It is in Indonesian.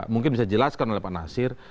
mungkin bisa dijelaskan oleh pak nasir